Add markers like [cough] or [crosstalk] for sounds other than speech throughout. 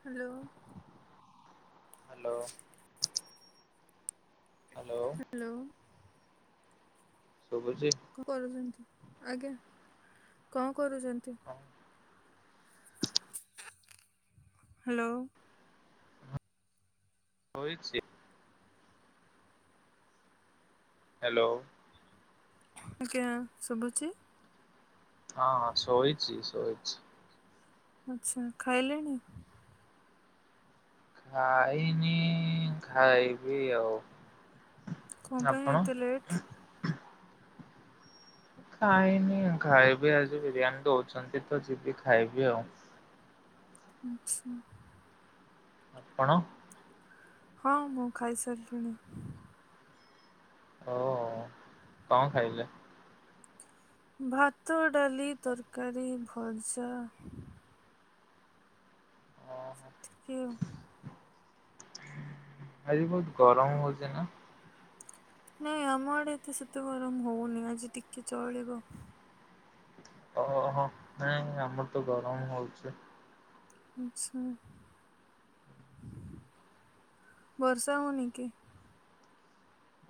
Hello hello. Hello. ଶୁଭୁଛି କଣ କରୁଛନ୍ତି? ଆଜ୍ଞା। କରୁଛନ୍ତି। ହାଲୋ। ହୋଇଛି। ହ୍ୟାଲୋ। ଆଜ୍ଞା ସବୁଚି। ହଁ ହଁ ଶୋଇଚି ଶୋଇଚି। ଆଚ୍ଛା ଖାଇଲେଣି? ଖାଇନି ଖାଇବି ଆଉ କ ପାଇଁ ଆପଣ? ଏତେ ଲେଟ? ଖାଇନି ଖାଇବି ଆଜି ବିରିୟାନୀ ଦଉଛନ୍ତି ତ ଯିବି ଖାଇବି ଆଉ। ଆଚ୍ଛା। ଆପଣ ହଁ ମୁଁ ଖାଇସାରିଲିଣି। ଓ କଣ ଖାଇଲେ? ଭାତ ଡାଲି ତରକାରୀ ଭଜା ଓହୋ [unintelligible] ଆଜି ବହୁତ ଗରମ ହେଉଛି ନା। ନାଇଁ ଆମ ଆଡେ ଏ ତେ ସେତେ ଗରମ ହଉନି ଆଜି ଟିକେ ଚଳିବ। ଓହୋ ନାଇଁ ଆମର ତ ଗରମ ହଉଛି। ଆଚ୍ଛା ବର୍ଷା ହଉନି କି?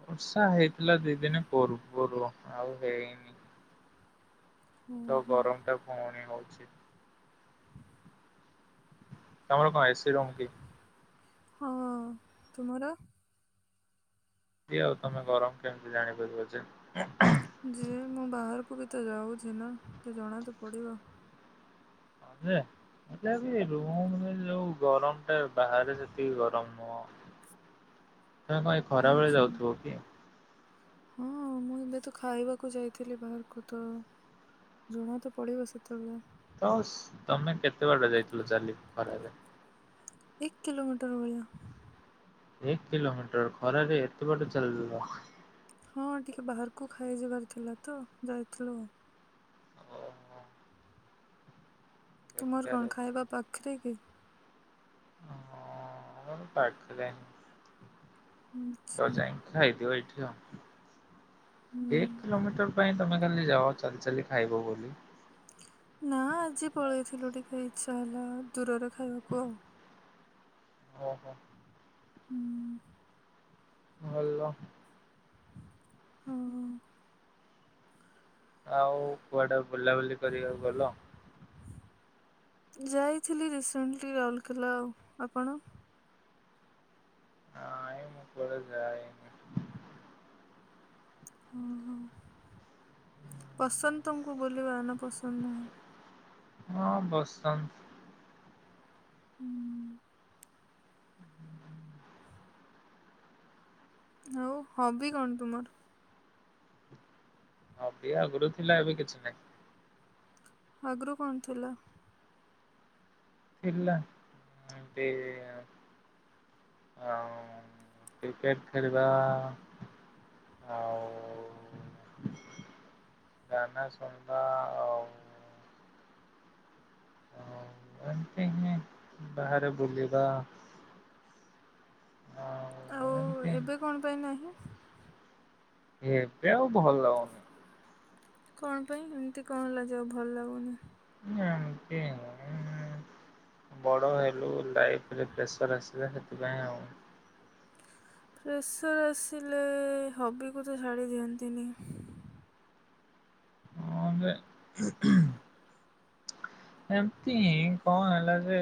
ବର୍ଷା ହେଇଥିଲା ଦି ଦିନେ ପୂର୍ବରୁ ଆଉ ହେଇନି। ତ ଓହୋ ଗରମ ଟା ପୁଣି ହଉଛି। [unintelligible] ଟମର କମ ଏସି ରୁମ କି? ହଁ ତୁମର। ଏ ଆଉ ତମେ ଗରମ କେମିତି ଜାଣି ପାରିବ ଯେ? ଯି ମୁଁ ବାହାରକୁ ବି ତ ଯାଉଛି ନା ତ ଜଣା ତ ପଡିବ। ହେଲେ ବି ରୁମ୍ ରେ ଯୋଉ ଗରମ ଟା ବାହାରେ ସେତିକି ଗରମ ନୁହଁ। ତମେ କଣ ଏ ଖରା ବେଳେ ଆଚ୍ଛା। ଯାଉଥିବ କି? ହଁ ମୁଁ ଏବେ ତ ଖାଇବାକୁ ଯାଇଥିଲି ବାହାରକୁ ତ ଜଣା ତ ପଡିବ ସେତେବେଳେ। [unintelligible] ତମେ କେତେ ବାଟେ ଯାଇଥିଲ ଚାଲି ଖରାରେ ଏକ କିିଲୋମିଟର ଭଳିଆ। ଏକ କିଲୋମିଟର ଖରାରେରେ ଏତେ ବାଟ ଚାଲ ହଁ ଟିକେ ବାହାରକୁ ଖାଇଯିବାର ଥିଲା ତ ଯାଇଥିଲୁ। ଓହୋ ତୁମର ବେକାର କଣ ଖାଇବା ପାଖରେ କି? ହଁ ପାଖରେ। ତ ଆଚ୍ଛା ଯାଇଙ୍କି ଖାଇଦିଅ। [unintelligible] ହୁଁ ଏକ କିଲୋମିଟର ପାଇଁ ତମେ କାଲି ଯାଅ ଚାଲି ଚାଲି ଖାଇବ ବୋଲି ନା ଆଜି ପଳେଇଥିଲୁ ଟିକେ ଇଚଛା ହେଲା ଦୂରରେ ଖାଇବାକୁ ଆଉ। ଓ ହୋ। ହୁଁ। ଭଲ। ହଁ ଆଉ କୁଆଡ ବୁଲାବୁଲି କରିବାକୁ ଗଲ? ଯାଇଥିଲି ରିସେଣ୍ଟଲି ରାଉରକେଲା ଆଉ ଆପଣ? ନାଇଁ ମୁଁ କୁଆଡେ ଯାଇନି। ଓହୋ ପସନ୍ଦ ତମକୁ ବୁଲିବା ନା ପସନ୍ଦ ନୁହଁ? ହଁ ପସନ୍ଦ। ହୁଁ। ଆଉ ହବି କଣ ତୁ ମୋର? ହଁ ବି ଆଗରୁ ଥିଲା ଏବେ କିଛି ନହିଁ। ଆଗରୁ କଣ ଥିଲା? ଥିଲା ଏମିତି ଆଉ କ୍ରିକେଟ ଖେଳିବା ଆଉ ଗାନା ଶୁଣିବା ଆଉ ହ ଏମତି ବାହାରେ ବୁଲିବା। ଆଉ ଏବେ କଣ ପାଇଁ ନାହିଁ? ଏ ବଉ ଭଲ ଲାଗୁଣି। କଣ ପାଇଁ ଏମିତି କଣ ହେ ଲ ଯାାଉ ଭଲ ଲାଗୁନି? ଏମତି ହଉ ବଡ ହେଲୁ ଲାଇ ପ୍ରେସର ଆସିଲା ସେଥିପାଇଁ ଆଉ। ପ୍ରସର ଆସିଲେ ହବିକୁ ତ ଛାଡି ଦିଅନ୍ତିନି। ହଁଲେ ଏମତି କଣ ହେଲା ଯେ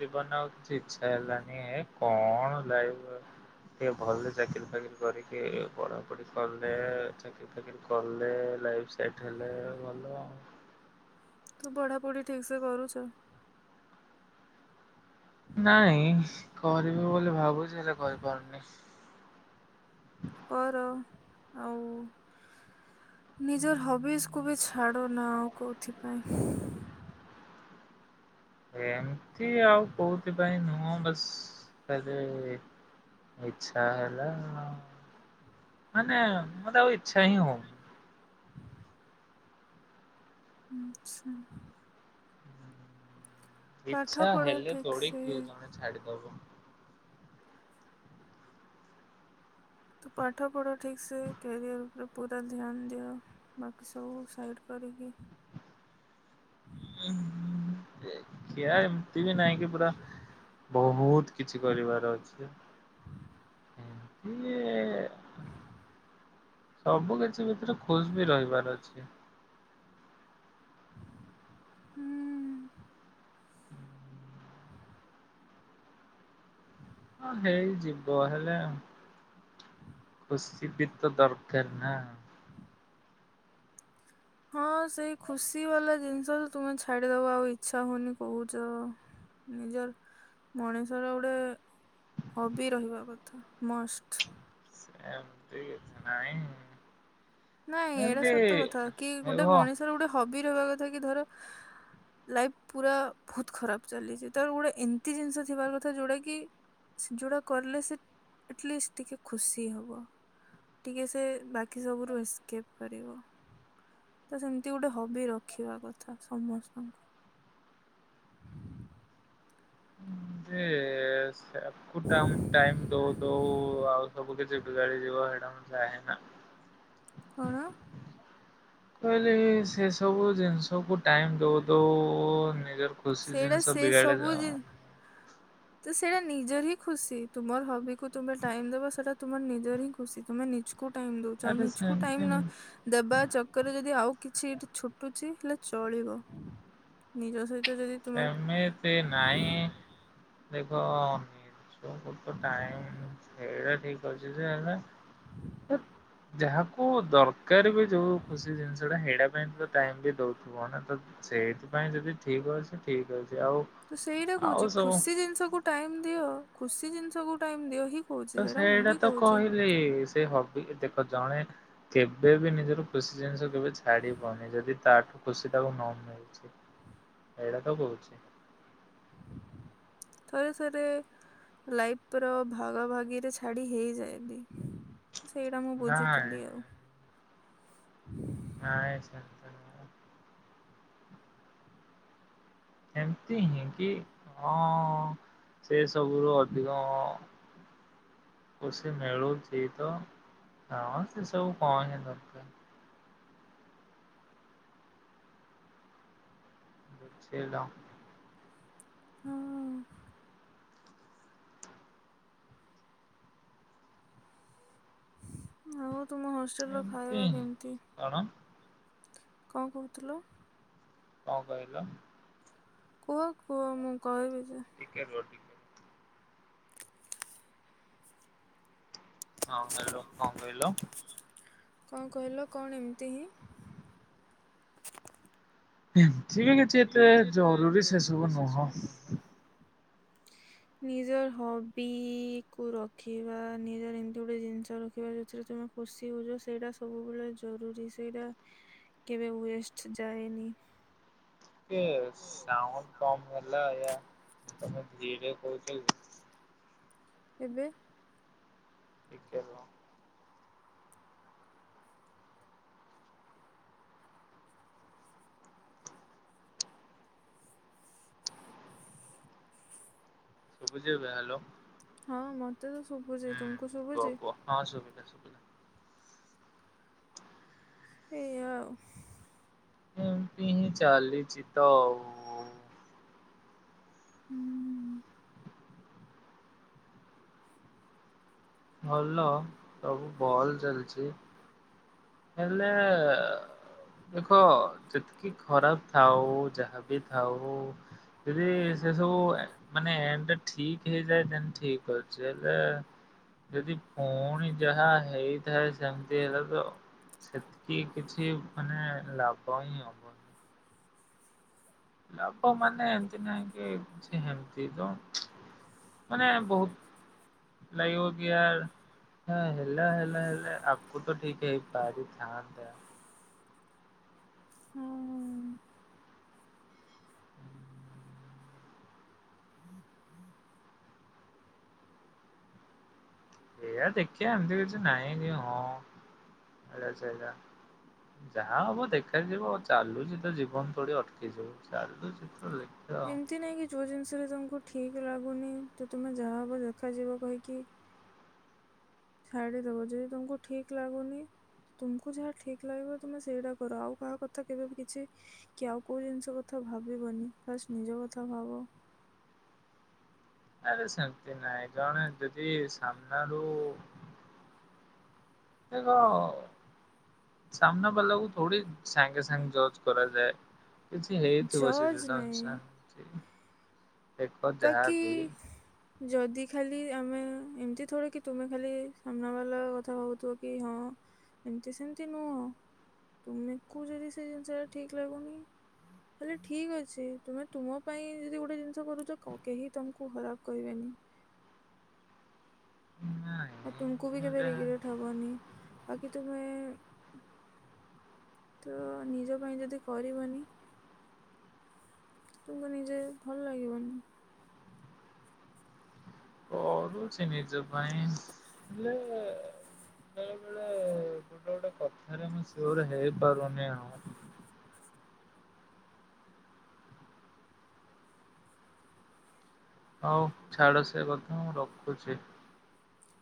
ଜୀବନ ଆଉ କିଛି ଇ୍ଛା ହେଲାନି କଣ ଲାଇ ଟେ ଭଲ ଚାକିରି ଫକିରି କରିକି ପଢାପଢି କଲେ ଚାକିର ଫକିରି କଲେ ସେଟ ହେଲେ ଭଲ। ତୁ ପଢାପୁଢି ଠିକ ସେ କରୁଛ? ନାଇଁ କରିବୁ ବୋଲି ଭାବୁଛି ହେଲେ କରିପାରୁନି। କର ଆଉ ନିଜର ହବିସ୍ କୁବି ଛାଡ଼ ନା ଆଉ କେଉଁଥିପାଇଁ ଏମିତି ଆଉ କୋଉଥିପାଇଁ ନୁହଁ ବସ୍ ଖାଲି ଇଚଛା ହେଲା ମାନେ ମତେ ଛଁ ହ। ଆଚ୍ଛା। ଇଚଛା ପାଠ ପଢ଼ ହେଲେ ଠିକ୍ ତୋଡିିକ ସେ କିଏ ଜଣେ ଛାଡିଦବ। ତ ପାଠ ପଢ଼ ଠିକ୍ସେ କ୍ୟାରିଅର ଉପରେ ପୁରା ଧ୍ୟାନ ଦିଅ ବାକି ସବୁ ସାଇଡ଼ କରିକି। ଆ ଏମତି ବି ନହିଁ କି ପୁରା ବହୁତ କିଛି କରିବାର ଅଛି। ଏମତି ସବୁ କିଛି ଭିତରେ ଖୁସି ବି ରହିବାର ଅଛି। ହୁଁ। ହଁ ହେଇଯିବ ହେଲେ ଖୁସି ବି ତ ଦରକାର ନା। ହଁ ସେଇ ଖୁସି ବାଲା ଜିନିଷ ତୁମେ ଛାଡିଦବା ଆଉ ଇଚ୍ଛା ହଉନି କହୁଛ ନିଜର ମଣିଷର ଗୋଟେ ହବି ରହିବା କଥା ମଷ୍ଟ। ଏମିତି କିଛି ନାଇଁ। ନାଇଁ ଏଇଟା ଏମିତି ସତ କଥା କି ଗୋଟେ ହେବ। ମଣିଷର ଗୋଟେ ହବ ବି ରହିବ କଥା କି ଧର ଲାଇଫ ପୁରା ବହୁତ ଖରାପ ଚାଲିଛି ତେଣୁ ଗୋଟେ ଏମିତି ଜିନିଷ ଥିବା କଥା ଯୋଉଟା କି ଯୋଉଟା କଲେ ସେ ଯୋଉଟା କଲେ ସେ ଅଟଲିଷ୍ଟ ଟିକେ ଖୁସି ସେ ବାକି ସବୁ। ଏସକେପ କରିବ ସେମିତି ଗୋଟେ ହବି ରଖିବା କଥା। ଯେ ଟାଇ ଦଉ ଦଉ ଆଉ ସବୁ କିଛି ବିଗାଡି ଯିବ ସୋ ଯାହେନା କଣ? କହିଲି କି ସେ ସବୁ ଜିନିଷକୁ ଟାଇମ୍ ଦଉ ଦଉ ନିଜ ଖୁସି ସେଇଟା ଜିନିଷ ସେ ବିଗାଡ଼ି ସବୁ ଜି ଦବ। ତ ସେଇଟା ନିଜର ହିଁ ଖୁସି। ତୁମର ହବିକୁୁ ତୁମେ ଟାଇମ୍ ଦବ ସେଟା ତୁମର ନିଜର ହିଁ ଖୁସି। ତୁମେ ନିଜକୁ ଟାଇମ୍ ଦଉଚ, ଆଉ ଆରେ ନିଜକୁ ଟାଇମ୍ ସେମିତି ନ ଦେବା ଚକରରେ ଯଦି ଆଉ କିଛି ଏଠି ଛୁଟୁଛି ହେଲେ ଚଳିବ, ନିଜ ସହିତ ଯଦି ତୁମର ସେମିତି ନାହିଁ। ଦେଖ ନିଜକୁ ତ ଟାଇମ୍ ସେଇଟା ଠିକ ଅଛି ଯେ ହେଲେ ହେ ଯାହାକୁ ଦର କାର ବି ଯୋଉ ଖୁସି ଜିନିଷଟା ହେଇଟା ପାଇଁ ତ ଟାଇମ୍ ବି ଦଉଥୁବ ନା, ତ ସେଇଥିପାଇଁ ଯଦି ଠିକ ଅଛି ଠିକ୍ ଅଛ ତ ସେଇଟା କହୁଚି, ଖୁସି ଜିନିଷକୁୁ ଟାଇମ୍ ଦିଅ। ଖୁସି ଜିନିଷକୁ ଟାଇମ୍ ଦିଅ ହି ତ ସେଇଟା ତ କହିଲି, ସେ ହବି ଦେଖ ଜଣେ କେବେ ବି ନିଜର ଖୁସି ଜିନିଷ କେବେ ଛାଡି ହଉନି। ଯଦି ତାଠୁ ଖୁସି ତାକୁ ନ ମିଳୁଛି ଏଇଟା ତ କହୁଛି। ଥରେ ଥରେ ଲାଇଫ ର ଭାଗା ଭାଗିରେ ଛାଡି ହେଇଯାଏନ୍ତି। ସେଇଟା ମୁଁ ନାଇଁ ବୁଝୁଥୁଲି ଆଉ। ହୁଁ ନାଇଁ ଶାନ୍ତ ନୁହଁ। ଏମତି ହିଁ କି ହଁ ସେ ସବୁରୁ ଅଧିକ ଅଁ, ଖୁସି ମିଳୁଛି ତ ହଁ ସେ ସବୁ କଣ ହିଁ ଦରକାର। ବୁଝିଲ। ହଁ। ଆଉ ତୁମ ହଷ୍ଟେଲ୍ ର ଏମତି ଖାଇବା ହିଁ କେମିତି? କଣ କଣ କହୁଥିଲ? କଣ କହିଲ? କୁହ କୁହ ମୁଁ କହିବି? ଯେ ଟିକେ ରୁହ ଟିକେ ହଁ ହ୍ୟାଲୋ, କଣ କହିଲ? କଣ କହିଲ? କଣ ଏମିତି ହିଁ? ଏମିତି ବି କିଛି ଏତେ ଜରୁରୀ ସେ ସବୁ ନୁହଁ। ନିଜର ହବି କୁ ରଖିବା ନିଜର ଏମିତି ଗୋଟେ ଜିନିଷ ରଖିବା ଯୋଉଥିରେ ତୁମେ ଖୁସି ହଉଚ। ସେଇଟା ସବୁବେଳେ ଜରୁରୀ। ସେଇଟା କେବେ ୱେଷ୍ଟ ଯାଏନି। ଟିକେ ସାଉଣ୍ଡ କମ୍ ହେଲା ଏୟା। ତୋମେ ଧିରେ କହୁଚକି? ଏବେ। ଟିକେ ରୁହ। ଶୁଭୁଛି ଏବେ, ହ୍ୟାଲୋ। ହଁ ମୋର୍ ମୋତେ ତ ଶୁଭୁଛି। ହୁଁ ତୁମକୁ କୁହ ଶୁଭୁଚି? କୁହ ହଁ ଶୁଭିଲା ଶୁଭିଲା। ଏଇ ଆଉ। ଏମତି ହିଁ ଚାଲିଚି ତଉ। ହୁଁ। ଭଲ ସବୁ ଭଲ ଚାଲିଛି। ହେଲେ ଦେଖ ଯେତିକି ଖରାପ ଥାଉ ଯାହାବି ଥାଉ ଯଦି ସେ ସବୁ ମାନେ ଠିକ ହେଇଯାଏ ତ ଠିକ ଅଛି ହେଲେ ଯଦି ପୁଣି ଯାହା ହେଇଥାଏ ସେମତି ହେଲେ ତ। ସେତିକି କିଛି ମାନେ ଲାଭ ହଁ ହବନି। ଲାଭ ମାନେ ଏମତି ନାହିଁ କିଛି ଏମତି ତ ମାନେ ବହୁତ ଲାଗିବ କି ହେଲା ହେଲା ହେଲେ ଆଗକୁ ତ ଠିକ ହେଇପାରିଥାନ୍ତା। ହଁ। ହୁଁ ହୁଁ ଏଆ ଦେଖିବା ଏମିତି କିଛି ନାହିଁ କି ହଁ ଯାହା ହବ ଦେଖା ଯିବ ଆଉ ଚାଲୁଛି ତ ଜୀବନ ତଡି ଅଟକି ଯିବ ଚାଲୁଛି ତ। ଦେଖିବା ଆଉ। ଏମିତି ନାଇଁ କି ଯୋଉ ଜିନିଷରେ ତମକୁ। ଠିକ୍ ଲାଗୁନି ତ ତୁମେ ଯାହାହବ ଦେଖାଯିବ କହିକି। ଛାଡିଦବ ଯଦି ତମକୁ ଠିକ ଲାଗୁନି ତୁମକୁ ଯାହା ଠିକ ଲାଗିବ ତମେ ସେଇଟା କର ଆଉ କାହା କଥା କେବେ କିଛି କି ଆଉ କୋଉ ଜିନିଷ କଥା ଭାବିବନି ଫାଷ୍ଟ ନିଜ କଥା ଭାବ। ଆରେ ସେମିତି ନାଇଁ ଜଣେ ଯଦି ସାମ୍ନ ରୁ। ସାମ୍ନା ବାଲାକୁ ଥୋଡ଼ି ସାଙ୍ଗେ ସାଙ୍ଗ ଜଜ କରାଯଏ। କିଛି ହେଇ ଜଜ୍ ନାହିଁ ଶେଜଉ। ଦେଖ ବାକି ଯାହାବି। ଯଦି ଖାଲି ଆମେ ଏମତି ଥରେ କି ତୁମେ ଖାଲି ସାମ୍ନା ବାଲା କଥା ଭାବଥିବ କି ହଁ ଏମତି ସେମତି ନୁହ ତୁମକୁ ଯଦି ସେ ଜିନିଷା ଠିକ ଲାଗୁନି ହେଲେ ଠିକ ଅଛି ତୁମେ ତୁମ ପାଇଁ ଯଦି ଗୋଟେ ଜିନିଷ କରୁଛ। କେହି ତମକୁ ଖରାପ କହିବେନି। ଆଉ ନାଇଁ ତୁମକୁ ବି କେବେ ହେଲେ ରେଗରେଟ ହବନି ଆଉ କି ତୁମେ ତ ନିଜ ପାଇଁ ଯଦି କରିବନି ତ ତୁମକୁ ନିଜେ ଭଲ ଲାଗିବନି। କରୁଛି ନିଜ ପାଇଁ ହେଲେ ବେଳେ ବେଳେ ଗୋଟେ ଗୋଟେ କଥାରେ ମୁଁ ସଓର ହେଇପାରୁନି ଆଉ। ହଉ ଛାଡ ସେ କଥା ମୁ ରଖୁଛି।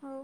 ହଉ।